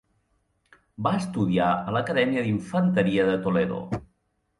Va estudiar a l'Acadèmia d'Infanteria de Toledo.